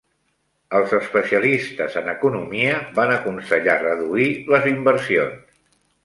Els especialistes en economia van aconsellar reduir les inversions.